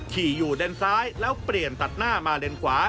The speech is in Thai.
ขี่อยู่เลนซ้ายแล้วเปลี่ยนตัดหน้ามาเลนขวา